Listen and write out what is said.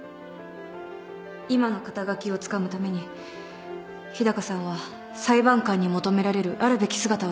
今の肩書をつかむために日高さんは裁判官に求められるあるべき姿を実践してきた。